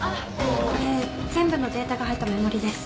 これ全部のデータが入ったメモリーです。